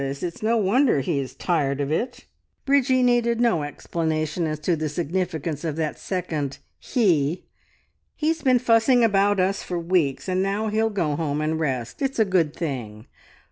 It's no wonder he is tired of it." Bridgie needed no explanation as to the significance of that second he. "He's been fussing about us for weeks, and now he'll go home and rest. It's a good thing!